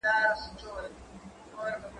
زه هره ورځ ځواب ليکم؟!